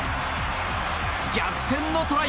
逆転のトライ！